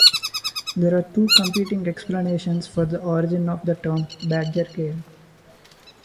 There are two competing explanations for the origin of the term "badger game".